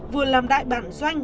vừa làm đại bản doanh